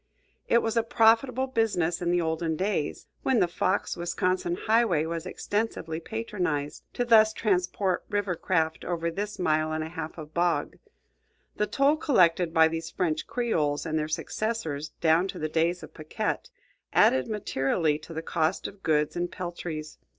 It was a profitable business in the olden days, when the Fox Wisconsin highway was extensively patronized, to thus transport river craft over this mile and a half of bog. The toll collected by these French creoles and their successors down to the days of Paquette added materially to the cost of goods and peltries.